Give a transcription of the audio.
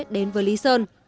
đến với lý sơn